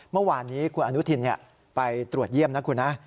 เมื่อวานนี้คุณอนุทินไปตรวจเยี่ยมนะคุณนะ